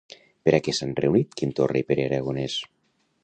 Per a què s'han reunit Quim Torra i Pere Aragonès?